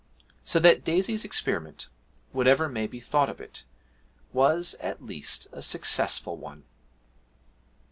So that Daisy's experiment, whatever may be thought of it, was at least a successful one.